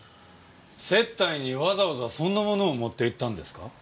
接待にわざわざそんな物を持って行ったんですか？